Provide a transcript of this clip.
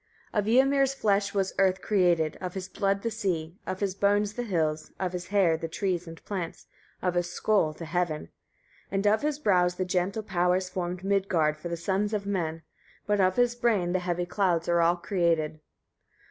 40. Of Ymir's flesh was earth created, of his blood the sea, of his bones the hills, of his hair trees and plants, of his skull the heaven; 41. And of his brows the gentle powers formed Midgard for the sons of men; but of his brain the heavy clouds are all created.